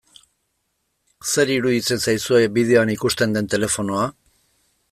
Zer iruditzen zaizue bideoan ikusten den telefonoa?